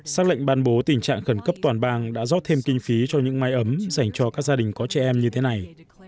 xác lệnh ban bố tình trạng khẩn cấp toàn bang đã rót thêm kinh phí cho những máy ấm dành cho các gia đình có trẻ em như thế này